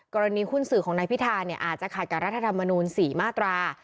กรณีหุ้นสื่อของนายพิธาเนี่ยอาจจะขัดกับรัฐธรรมนูล๔มาตรา